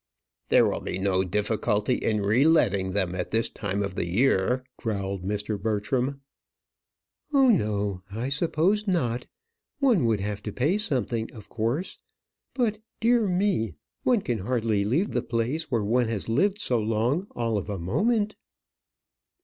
"There will be no difficulty in reletting them at this time of the year," growled Mr. Bertram. "Oh, no, I suppose not; one would have to pay something, of course. But, dear me! one can hardly leave the place where one has lived so long all of a moment."